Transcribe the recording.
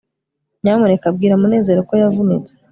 nyamuneka bwira munezero ko yavunitse